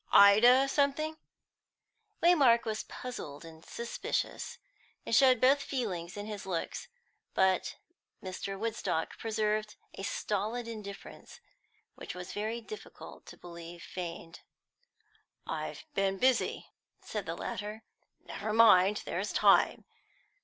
Ida something " Waymark was puzzled and suspicious, and showed both feelings in his looks, but Mr. Woodstock preserved a stolid indifference which it was very difficult to believe feigned. "I've been busy," said the latter. "Never mind; there's time.